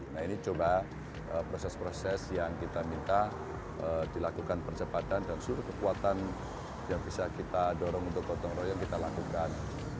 nah ini coba proses proses yang kita minta dilakukan percepatan dan seluruh kekuatan yang bisa kita dorong untuk gotong royong kita lakukan